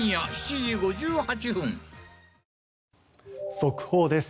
速報です。